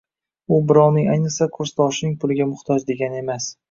Bu birovning, ayniqsa, kursdoshining puliga muhtoj degani emas